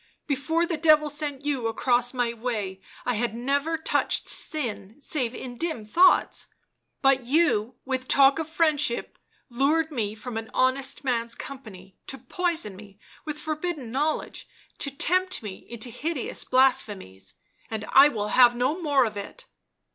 Before the Devil sent you across my way I had never touched sin save in dim thoughts ... but you, with talk of friendship, lured me from an honest man's company to poison me with forbidden knowledge, to tempt me into hideous blasphemies — and I will have no more of it